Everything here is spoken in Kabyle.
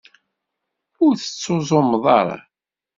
Ur tettuẓumeḍ ara.